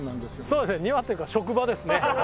そうですね庭というか職場ですね。